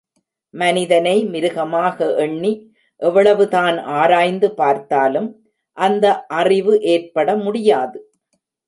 மனிதனை மிருகமாக எண்ணி எவ்வளவு தான் ஆரய்ந்து பார்த்தாலும், அந்த அறிவு ஏற்பட முடியாது.